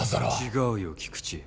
違うよ菊地。